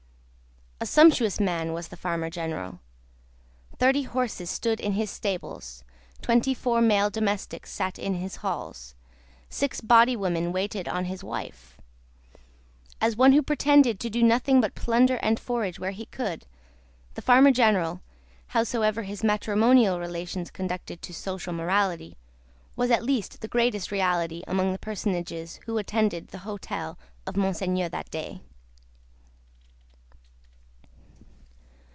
A sumptuous man was the Farmer General. Thirty horses stood in his stables, twenty four male domestics sat in his halls, six body women waited on his wife. As one who pretended to do nothing but plunder and forage where he could, the Farmer General howsoever his matrimonial relations conduced to social morality was at least the greatest reality among the personages who attended at the hotel of Monseigneur that day.